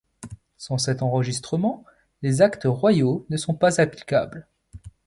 Sans cet enregistrement, les actes royaux ne sont pas applicables.